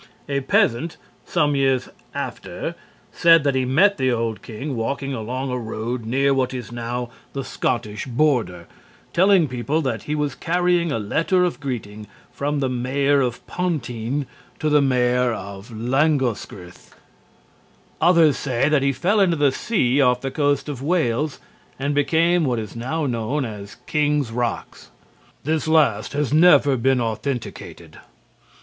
A peasant some years after said that he met the old king walking along a road near what is now the Scottish border, telling people that he was carrying a letter of greeting from the Mayor of Pontygn to the Mayor of Langoscgirh. Others say that he fell into the sea off the coast of Wales and became what is now known as King's Rocks. This last has never been authenticated.